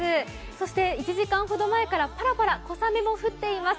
そして１時間ほど前からパラパラ、小雨も降っています。